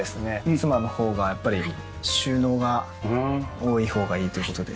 妻の方がやっぱり収納が多い方がいいという事で。